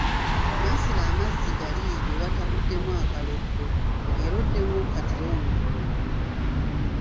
Mansirako amazzi gali ge watabuddemu akaloddo era oddemu okkatire omuddo ogwo.